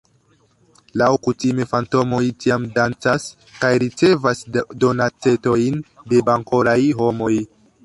Laŭkutime fantomoj tiam dancas kaj ricevas donacetojn de bonkoraj homoj.